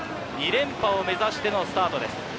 ２連覇を目指してのスタートです。